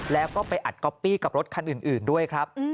แล้วก็ไปอัดก๊อปปี้กับรถคันอื่นด้วยครับ